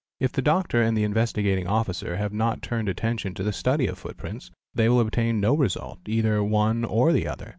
If the doctor and the Investigating Officer have not turned attention to the study of footprints, they will obtain no result, either one or the other.